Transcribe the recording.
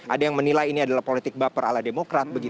ada yang menilai ini adalah politik baper ala demokrat